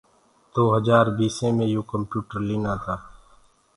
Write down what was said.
دو هجآر بيسي مي يو ڪمپيوٽر لينآ تآ۔